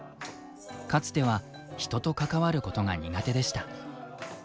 かつては人と関わることが苦手でした。